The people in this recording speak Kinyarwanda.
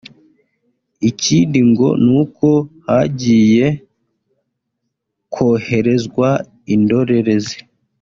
Ikindi ngo n’uko hagiye koherezwa indorerezi